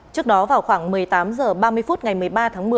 trước đó vào khoảng một mươi tám h ba mươi phút ngày một mươi ba tháng một mươi